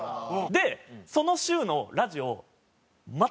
でその週のラジオ。